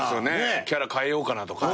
キャラ変えようかなとか。